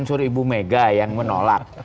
unsur ibu mega yang menolak